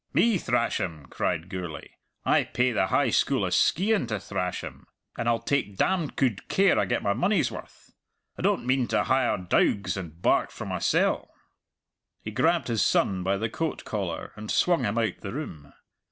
"Me thrash him!" cried Gourlay. "I pay the High School of Skeighan to thrash him, and I'll take damned good care I get my money's worth. I don't mean to hire dowgs and bark for mysell." He grabbed his son by the coat collar and swung him out the room.